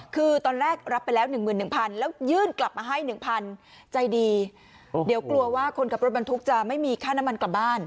คือตอนแรกรับไปแล้ว๑๑๐๐๐แล้วยื่นกลับมาให้๑๐๐ใจดีเดี๋ยวกลัวว่าคนขับรถบรรทุกจะไม่มีค่าน้ำมันกลับบ้าน